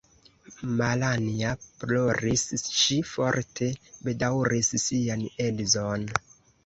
Malanja ploris; ŝi forte bedaŭris sian edzon.